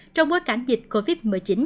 trong bối cảnh dịch covid một mươi chín